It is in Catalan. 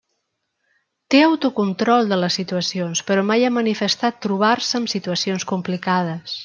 Té autocontrol de les situacions però mai ha manifestat trobar-se amb situacions complicades.